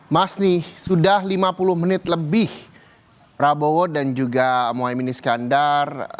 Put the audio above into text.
mas nih sudah lima puluh menit lebih prabowo dan juga mohaimin iskandar